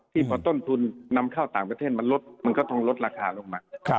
พอต้นทุนนำเข้าต่างประเทศมันลดมันก็ต้องลดราคาลงมา